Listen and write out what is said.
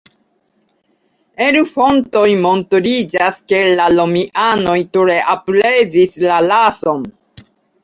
El fontoj montriĝas ke la Romianoj tre aprezis la rason.